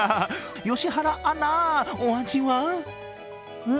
良原アナ、お味は？